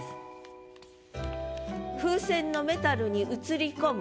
「風船のメタルに映り込む」